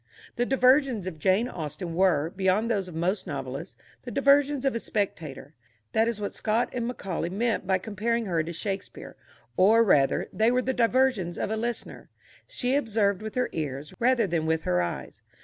The diversions of Jane Austen were, beyond those of most novelists, the diversions of a spectator. (That is what Scott and Macaulay meant by comparing her to Shakespeare.) Or, rather, they were the diversions of a listener. She observed with her ears rather than with her eyes.